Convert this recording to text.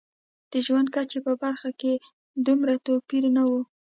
د ژوند کچې په برخه کې دومره توپیر نه و.